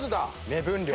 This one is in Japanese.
目分量。